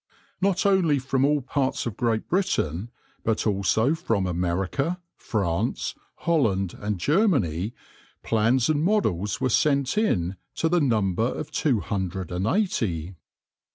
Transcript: Not only from all parts of Great Britain, but also from America, France, Holland, and Germany, plans and models were sent in to the number of two hundred and eighty.